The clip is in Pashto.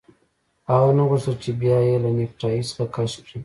هغه نه غوښتل چې بیا یې له نیکټايي څخه کش کړي